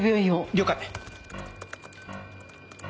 了解！